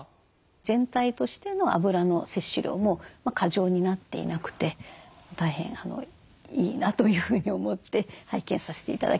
全体としてのあぶらの摂取量も過剰になっていなくて大変いいなというふうに思って拝見させて頂きました。